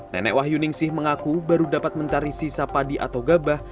nenek wahyu ningsih mengaku baru dapat mencari sisa padi atau gabah